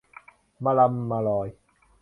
มะลำมะลอย